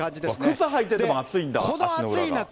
靴履いてても暑いんだ、足の裏が。